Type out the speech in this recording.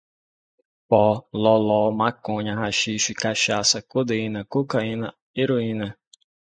Pó, loló, maconha, haxixe, cachaça, codeína, cocaína, heroína